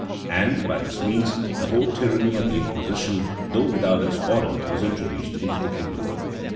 [*] And, by this means, the whole tyranny of the inquisition, though without its order, was introduced into the kingdom.